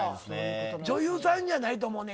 女優さんかではないと思うねん。